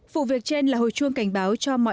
vụ việc trên là hồi chuông cảnh báo cho mọi